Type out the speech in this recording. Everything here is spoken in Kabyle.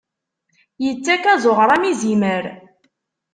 Ittak azuɣer am izimer.